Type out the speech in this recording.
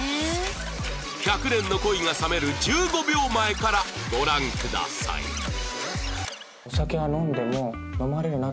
１００年の恋が冷める１５秒前からご覧くださいあっ！